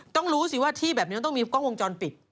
ต้องรู้สิว่าที่แบบนี้มันต้องมีกล้องวงจรปิด